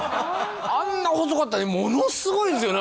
あんな細かったのにものすごいですよね